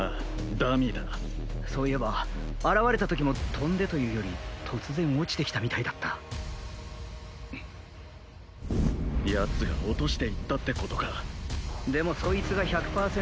ダミーだそういえば現れたときも飛んでというより突然落ちてきたみたいだったヤツが落としていったってことかでもそいつが１００％